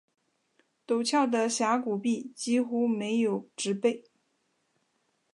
陡峭的峡谷壁几乎没有植被。